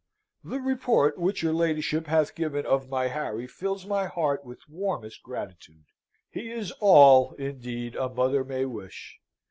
"The report which your ladyship hath given of my Harry fills my heart with warmest gratitude. He is all indeed a mother may wish.